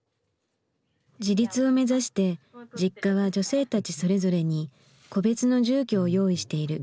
自立を目指してＪｉｋｋａは女性たちそれぞれに個別の住居を用意している。